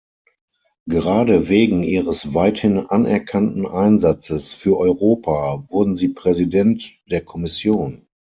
Gerade wegen Ihres weithin anerkannten Einsatzes für Europa wurden Sie Präsident der Kommission.